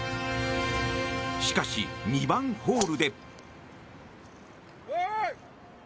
しかし、２番ホールで。